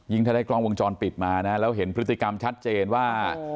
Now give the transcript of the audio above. ถ้าได้กล้องวงจรปิดมานะแล้วเห็นพฤติกรรมชัดเจนว่า